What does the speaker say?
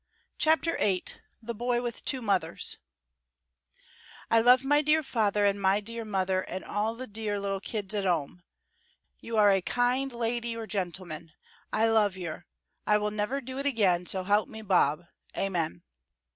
CHAPTER VIII THE BOY WITH TWO MOTHERS "I love my dear father and my dear mother and all the dear little kids at 'ome. You are a kind laidy or gentleman. I love yer. I will never do it again, so help me bob. Amen."